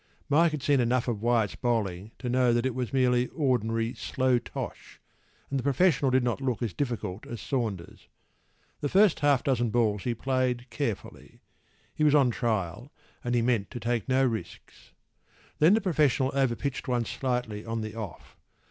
Mike had seen enough of Wyatt’s bowling to know that it was merely ordinary “slow tosh,” and the professional did not look as difficult as Saunders.  The first half dozen balls he played carefully.  He was on trial, and he meant to take no risks.  Then the professional over pitched one slightly on the off.